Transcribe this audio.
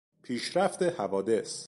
پیشرفت حوادث